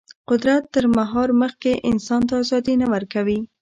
قدرت تر مهار مخکې انسان ته ازادي نه ورکوي.